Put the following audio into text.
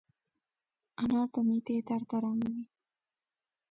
انار د معدې درد اراموي.